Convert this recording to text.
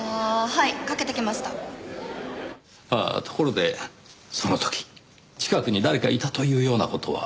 ところでその時近くに誰かいたというような事は？